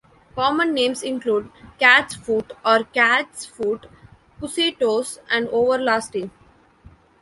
Common names include catsfoot or cat's-foot, pussytoes and everlasting.